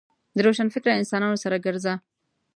د روشنفکره انسانانو سره ګرځه .